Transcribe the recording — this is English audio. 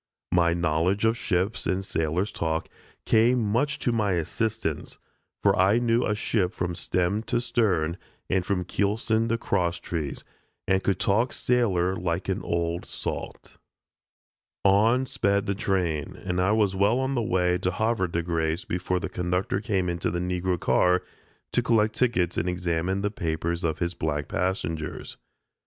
My knowledge of ships and sailor's talk came much to my assistance, for I knew a ship from stem to stern, and from keelson to cross trees, and could talk sailor like an "old salt." On sped the train, and I was well on the way to Havre de Grace before the conductor came into the Negro car to collect tickets and examine the papers of his black passengers.